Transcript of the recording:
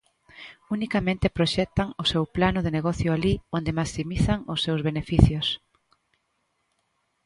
Unicamente proxectan o seu plano de negocio alí onde maximizan os seus beneficios.